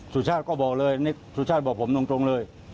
สุชาติก็บอกเลยสุชาติบอกผมตรงเลย